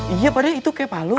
iya pak de itu kayak pak lu